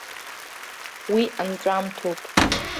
Уи анҵәамҭоуп.